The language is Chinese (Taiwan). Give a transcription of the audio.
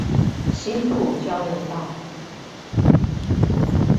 新埔交流道